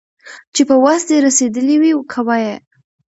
چي په وس دي رسېدلي وي كوه يې